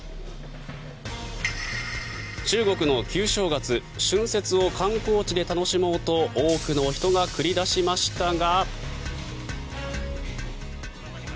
中国の旧正月・春節を観光地で楽しもうと多くの人が繰り出しましたが。